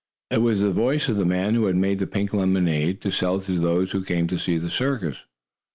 It was the voice of the man who had made the pink lemonade to sell to those who came to see the circus.